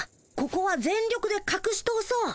ここは全力でかくし通そう。